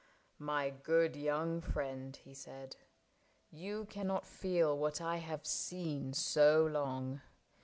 *' My good young friend," he said, " you cannot feel What I have seen so long.